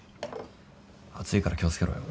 熱いから気を付けろよ。